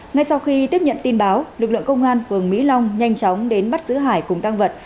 ngay sau khi tiếp nhận tin báo lực lượng công an phường mỹ long nhanh chóng đến bắt giữ hải cùng tăng vật